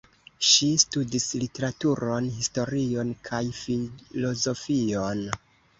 Ŝi studis literaturon, historion kaj filozofion.